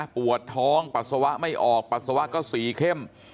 ปวดท้องปัสสาวะไม่ออกปัสสาวะก็สีเข้ม